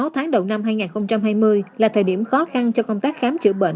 sáu tháng đầu năm hai nghìn hai mươi là thời điểm khó khăn cho công tác khám chữa bệnh